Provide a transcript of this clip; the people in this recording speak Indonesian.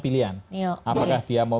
pilihan apakah dia mau